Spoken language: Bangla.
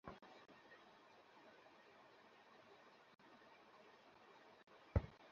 আরে ভাইয়া, আমার কেন সমস্যা হবে?